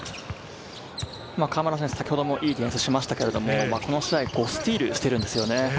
河村選手、先ほどもいいディフェンスしましたけど、この試合スティールしているんですよね。